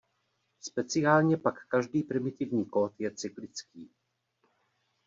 Speciálně pak každý primitivní kód je cyklický.